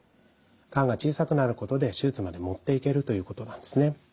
がんが小さくなることで手術まで持っていけるということなんですね。